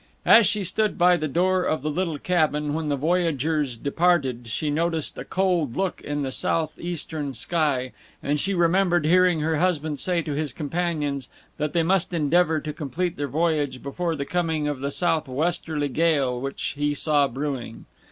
As she stood by the door of the little cabin when the voyagers departed she noticed a cold look in the southeastern sky, and she remembered hearing her husband say to his companions that they must endeavor to complete their voyage before the coming of the southwesterly gale which he saw brewing.